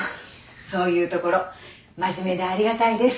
そういうところ真面目でありがたいです。